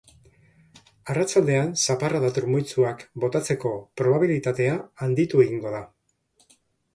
Arratsaldean, zaparrada trumoitsuak botatzeko probabilitatea handitu egingo da.